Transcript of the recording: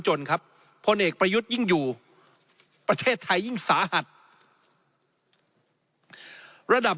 จนครับพลเอกประยุทธ์ยิ่งอยู่ประเทศไทยยิ่งสาหัสระดับ